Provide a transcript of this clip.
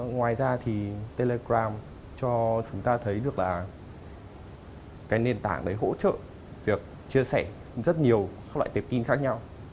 ngoài ra thì telegram cho chúng ta thấy được là cái nền tảng đấy hỗ trợ việc chia sẻ rất nhiều các loại tệp tin khác nhau